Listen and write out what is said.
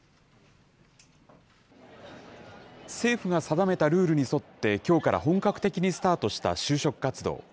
政府が定めたルールに沿って、きょうから本格的にスタートした就職活動。